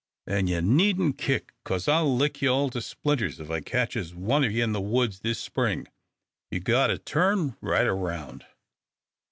An' you needn't kick, 'cause I'll lick ye all to splinters if I ketches one o' you in the woods this spring. Ye've got to turn right round."